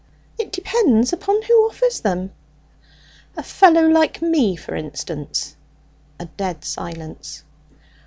"It depends upon who offers them." "A fellow like me, for instance." A dead silence.